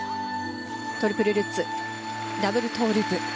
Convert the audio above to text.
トリプルルッツダブルトウループ。